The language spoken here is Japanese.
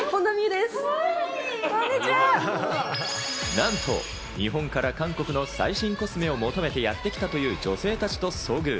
なんと日本から韓国の最新コスメを求めてやってきたという女性たちと遭遇。